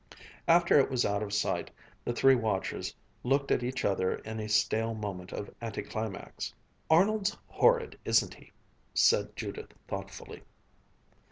After it was out of sight the three watchers looked at each other in a stale moment of anticlimax. "Arnold's horrid, isn't he?" said Judith thoughtfully.